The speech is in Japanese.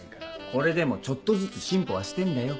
これでもちょっとずつ進歩はしてんだよ。